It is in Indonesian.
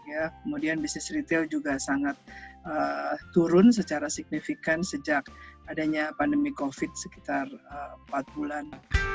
kemudian bisnis retail juga sangat turun secara signifikan sejak adanya pandemi covid sekitar empat bulan